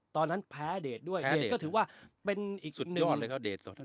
ตอนนั้นแพ้เดทด้วยแพ้เดทก็ถือว่าเป็นอีกสุดยอดเลยครับเดทตอนนั้น